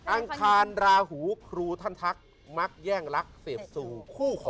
อังการร้าหูครูท่านทัพมัครแย่งรักเสพศู